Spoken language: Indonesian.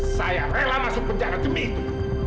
saya rela masuk penjara demi itu